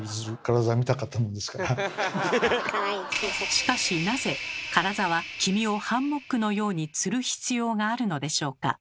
しかしなぜカラザは黄身をハンモックのようにつる必要があるのでしょうか？